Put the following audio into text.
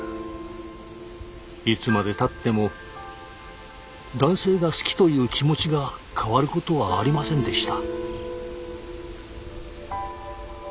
いつまでたっても男性が好きという気持ちが変わることはありませんでした。